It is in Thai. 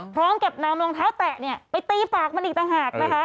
พร้อมกับนำรองเท้าแตะไปตีปากมันอีกต่างหากนะคะ